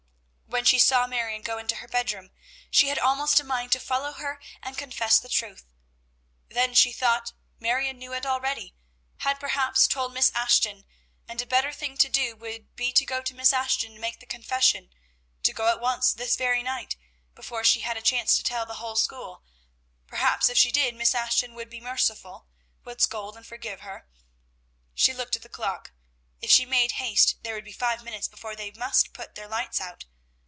When she saw Marion go into her bedroom, she had almost a mind to follow her and confess the truth. Then she thought Marion knew it already, had perhaps told Miss Ashton, and a better thing to do would be to go to Miss Ashton and make the confession; to go at once, this very night, before she had a chance to tell the whole school: perhaps if she did, Miss Ashton would be merciful, would scold and forgive her. She looked at the clock; if she made haste there would be five minutes before they must put their lights out!